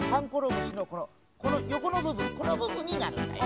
むしのこのこのよこのぶぶんこのぶぶんになるんだよ。